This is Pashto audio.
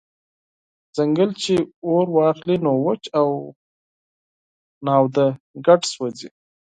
« ځنګل چی اور واخلی نو وچ او لانده ګډ سوځوي»